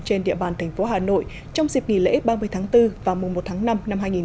trên địa bàn thành phố hà nội trong dịp nghỉ lễ ba mươi tháng bốn và mùa một tháng năm năm hai nghìn hai mươi bốn